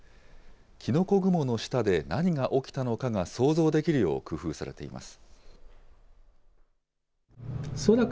きのこ雲の下で何が起きたのかが想像できるよう工夫されています。